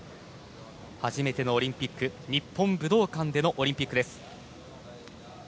初めてのオリンピック日本武道館でのオリンピックです。